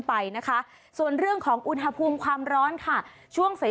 ฮัลโหลฮัลโหลฮัลโหลฮัลโหล